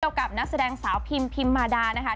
เกี่ยวกับนักแสดงสาวพิมพิมมาดานะครับ